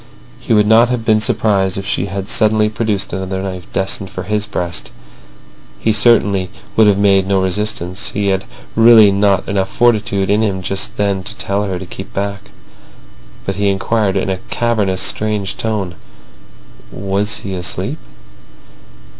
He would not have been surprised if she had suddenly produced another knife destined for his breast. He certainly would have made no resistance. He had really not enough fortitude in him just then to tell her to keep back. But he inquired in a cavernous, strange tone: "Was he asleep?"